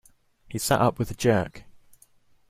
He sat up with a jerk.